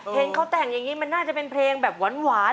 เห็นเขาแต่งอย่างนี้มันน่าจะเป็นเพลงแบบหวาน